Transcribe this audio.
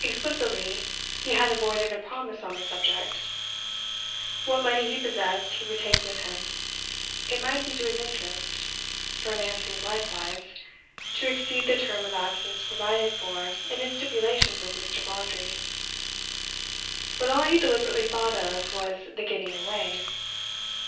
Explicitly he had avoided a promise on the subject. What money he possessed he would take with him; it might be to his interest, for Nancy's likewise, to exceed the term of absence provided for in his stipulations with Mr. Vawdrey. But all he deliberately thought of was the getting away.